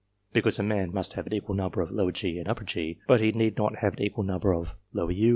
because a man must have an equal number of g. and G., but he need not have an equal number u.